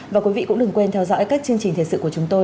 và quý vị cũng đừng quên theo dõi các chương trình thời sự của chúng tôi